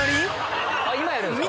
今やるんすか？